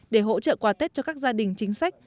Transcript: để hỗ trợ quà tết cho các gia đình chính sách